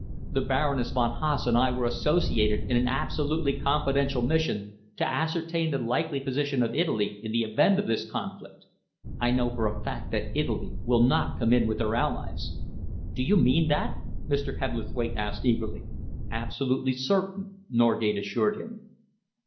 The Baroness von Haase and I were associated in an absolutely confidential mission to ascertain the likely position of Italy in the event of this conflict. I know for a fact that Italy will not come in with her allies." "Do you mean that?" Mr. Hebblethwaite asked eagerly. "Absolutely certain," Norgate assured him.